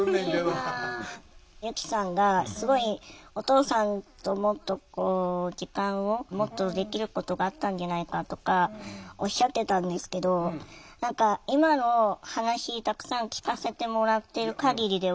由希さんがすごいお父さんともっとこう時間をもっとできることがあったんじゃないかとかおっしゃってたんですけど何か今の話たくさん聞かせてもらってる限りでは。